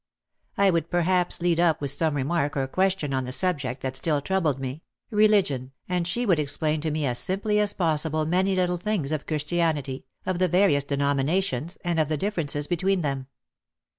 I would perhaps lead up with some remark or question on the subject that still troubled me, religion, and she would explain to me as simply as possible many little things of Christianity, of the various denominations, and of the differences between them.